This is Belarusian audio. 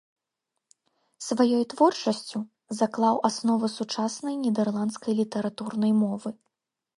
Сваёй творчасцю заклаў асновы сучаснай нідэрландскай літаратурнай мовы.